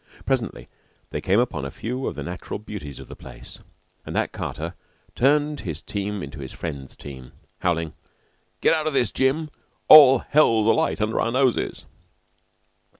Presently they came upon a few of the natural beauties of the place, and that carter turned his team into his friend's team, howling: "Get out o' this, Jim. All hell's alight under our noses!"